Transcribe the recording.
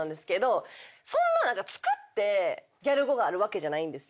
そんな作ってギャル語があるわけじゃないんですよ。